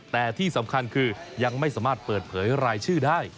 แต่ที่สำคัญคือยังไม่สามารถเปิดเผยรายชื่อได้